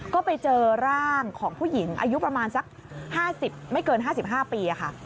ก็ไปเจอร่างของผู้หญิงอายุประมาณสัก๕๐ไม่เกิน๕๕ปีค่ะ